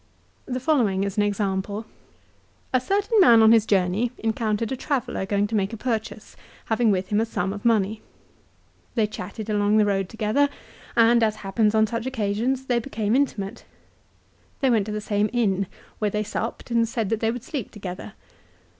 The following is an example. "A certain man on his journey encountered a traveller going to make a purchase, having wi^h him a sum of money. They chatted along the road together and, as happens on such occasions, they became intimate. They went to the same inn, where they supped and said that they would sleep together.